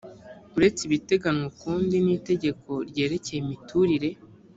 uretse ibiteganywa ukundi n itegeko ryerekeye imiturire